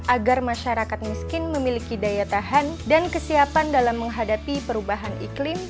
agar masyarakat miskin memiliki daya tahan dan kesiapan dalam menghadapi perubahan iklim